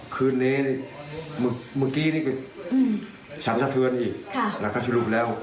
คืนนี้เมื่อกี้นี่คือฉันสะเทือนอีกแล้วก็สรุปแล้ว